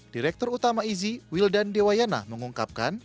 direktur utama izi wildan dewayana mengungkapkan